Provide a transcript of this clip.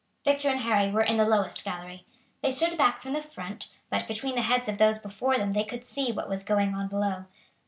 Victor and Harry were in the lowest gallery. They stood back from the front, but between the heads of those before them they could see what was going on below.